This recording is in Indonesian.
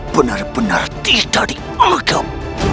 benar benar tidak dianggap